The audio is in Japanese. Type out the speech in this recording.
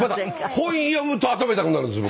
本読むと頭痛くなるんです僕。